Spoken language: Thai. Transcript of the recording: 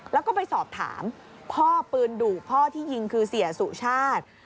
แล้วก็ไปสอบถามพ่อปืนดุพ่อที่ยิงคือเสียสุชาติ